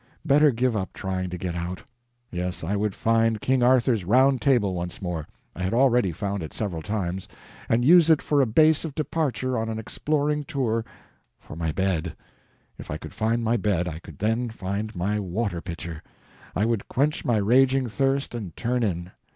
Better give up trying to get out. Yes, I would find King Arthur's Round Table once more I had already found it several times and use it for a base of departure on an exploring tour for my bed; if I could find my bed I could then find my water pitcher; I would quench my raging thirst and turn in.